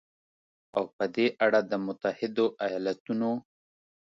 او په دې اړه د متحدو ایالتونو